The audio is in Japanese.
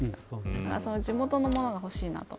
だから地元の物がほしいなと。